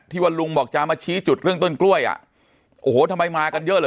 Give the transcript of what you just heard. ว่าลุงบอกจะมาชี้จุดเรื่องต้นกล้วยอ่ะโอ้โหทำไมมากันเยอะเหรอ